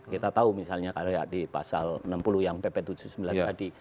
kita tahu misalnya di pasal enam puluh yang pp tujuh puluh sembilan tadi